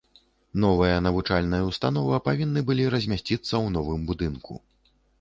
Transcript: Новая навучальная ўстанова павінны былі размясціцца ў новым будынку.